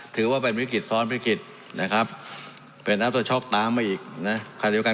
ถือว่าเป็นบริกฤษท้อนบริกฤษนะครับเป็นอัพเตอร์ช็อคตามไว้อีกนะ